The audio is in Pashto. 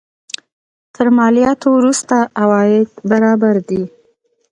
تر مالیاتو وروسته عواید برابر دي.